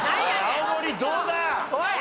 青森どうだ？おい！